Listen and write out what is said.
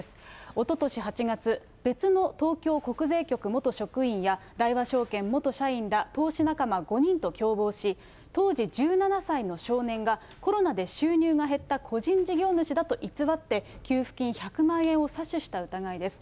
おととし８月、別の東京国税局元職員や大和証券元社員ら、投資仲間５人と共謀し、当時１７歳の少年がコロナで収入が減った個人事業主だと偽って、給付金１００万円を詐取した疑いです。